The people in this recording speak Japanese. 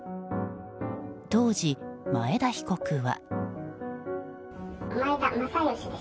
当時、前田被告は。